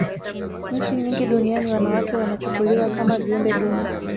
nchi nyingi duniani wanawake wanachukuliwa kama viumbe duni